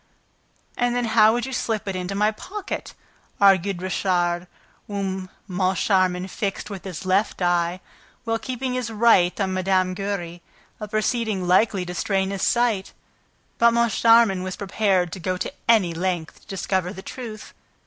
"And then how would you slip it into my pocket?" argued Richard, whom Moncharmin fixed with his left eye, while keeping his right on Mme. Giry: a proceeding likely to strain his sight, but Moncharmin was prepared to go to any length to discover the truth.